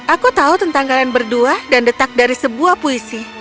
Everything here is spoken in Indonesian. aku tahu tentang kalian berdua dan detak dari sebuah puisi